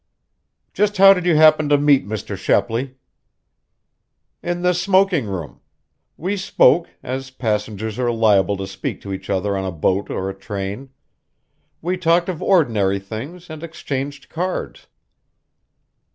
"Just how did you happen to meet Mr. Shepley?" "In the smoking room. We spoke, as passengers are liable to speak to each other on a boat or a train. We talked of ordinary things and exchanged cards."